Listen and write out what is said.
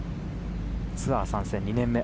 ツアー参戦２年目。